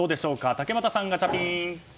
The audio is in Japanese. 竹俣さん、ガチャピン！